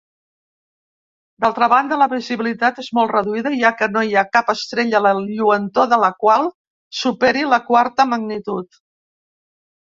D'altra banda, la visibilitat és molt reduïda, ja que no hi ha cap estrella la lluentor de la qual superi la quarta magnitud.